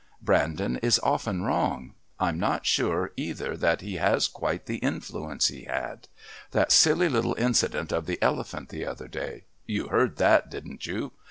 Brandon is often wrong. I'm not sure either that he has quite the influence he had. That silly little incident of the elephant the other day you heard that, didn't you?